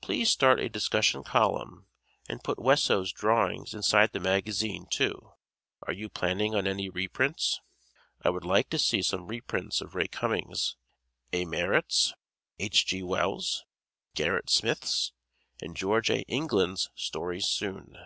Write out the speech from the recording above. Please start a discussion column and put Wesso's drawings inside the magazine, too. Are you planning on any reprints? I would like to see some reprints of Ray Cummings', A. Merritt's, H. G. Wells', Garret Smith's and George A. England's stories soon.